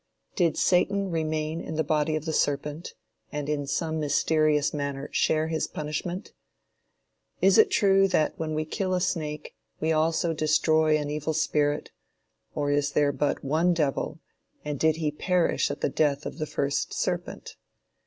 Did Satan remain in the body of the serpent, and in some mysterious manner share his punishment? Is it true that when we kill a snake we also destroy an evil spirit, or is there but one devil, and did he perish at the death of the first serpent?